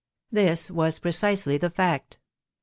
This was precisely the fact.